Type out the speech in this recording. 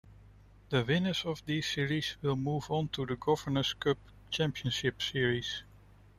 The winners of these series will move on to the Governors' Cup Championship Series.